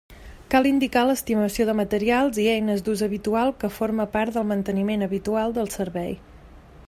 Cal indicar l'estimació de materials i eines d'ús habitual que forma part del manteniment habitual del servei.